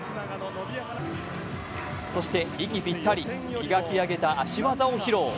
そして息ぴったり磨き上げた足技を披露。